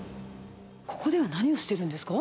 ここでは何をしてるんですか？